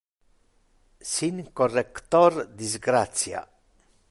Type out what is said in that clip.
Sin corrector disgratia!